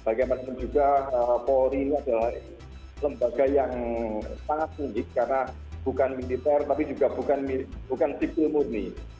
bagaimana juga polri adalah lembaga yang sangat unik karena bukan militer tapi juga bukan sifil murni